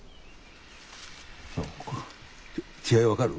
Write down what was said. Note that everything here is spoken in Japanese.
違い分かる？